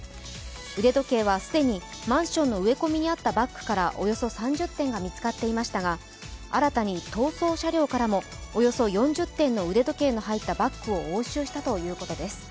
腕時計は既にマンションの植え込みにあったバッグからおよそ３０点が見つかっていましたが新たに逃走車両からもおよそ４０点の腕時計の入ったバッグを押収したというこです。